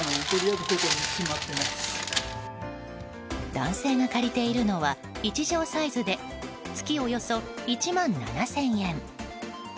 男性が借りているのは１畳サイズで月およそ１万７０００円。